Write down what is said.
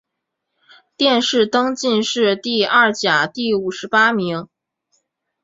殿试登进士第二甲第五十八名。